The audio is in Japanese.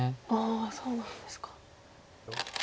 そうなんですか。